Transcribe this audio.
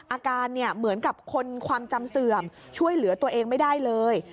อาการเนี่ยเหมือนกับคนความจำเสื่อมช่วยเหลือตัวเองไม่ได้เลย